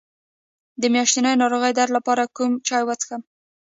د میاشتنۍ ناروغۍ درد لپاره کوم چای وڅښم؟